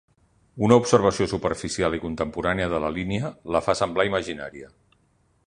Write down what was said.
Una observació superficial i contemporània de la línia, la fa semblar imaginària.